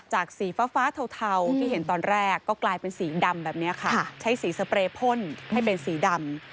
สีฟ้าเทาที่เห็นตอนแรกก็กลายเป็นสีดำแบบนี้ค่ะใช้สีสเปรย์พ่นให้เป็นสีดำ